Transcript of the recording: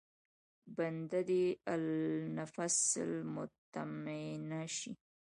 بنده دې النفس المطمئنه شي.